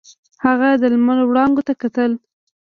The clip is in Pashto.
هغه د لمر وړانګو ته کتل.